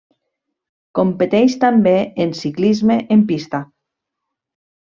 Competeix també en ciclisme en pista.